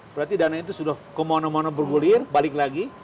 berarti dana itu sudah kemono mono bergulir balik lagi